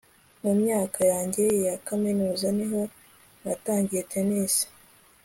Mu myaka yanjye ya kaminuza niho natangiye tennis